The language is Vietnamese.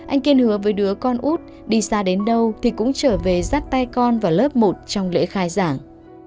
anh kiên hứa với đứa con út đi xa đến đâu thì cũng trở về rát tay con vào lớp một trong lễ khai giảng